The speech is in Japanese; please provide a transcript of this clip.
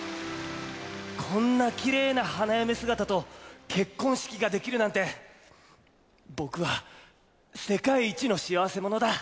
こんなきれいな花嫁姿と結婚式ができるなんて僕は世界一の幸せ者だ！